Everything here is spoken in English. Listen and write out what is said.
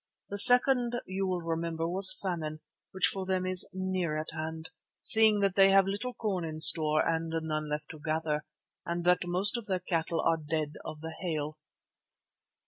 The second, you will remember, was famine, which for them is near at hand, seeing that they have little corn in store and none left to gather, and that most of their cattle are dead of the hail."